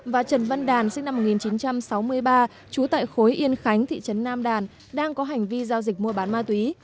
và trần văn đàn sinh năm một nghìn chín trăm sáu mươi ba trú tại khối yên khánh thị trấn nam đàn đang có hành vi giao dịch mua bán ma túy